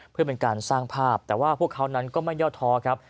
เพื่อเป็นการสร้างภาพแต่ว่าพวกเขานั้นก็ไม่ย่อท้อครับ